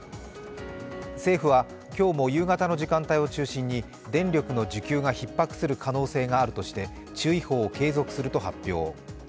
政府は今日も夕方の時間帯を中心に電力の需給がひっ迫する可能性があるとして、注意報を継続すると発表。